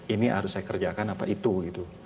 ini harus saya kerjakan apa itu gitu